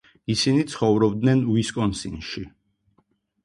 ისინი ცხოვრობენ უისკონსინში.